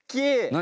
何？